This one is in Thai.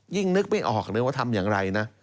นึกไม่ออกเลยว่าทำอย่างไรนะ